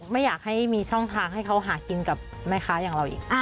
ไม่อยากให้มีช่องทางให้เขาหากินกับแม่ค้าอย่างเราอีก